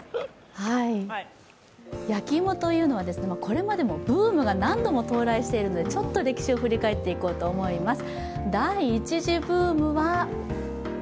焼き芋というのはこれまでもブームが何度も到来しているのでちょっと歴史を振り返っていこうと思います。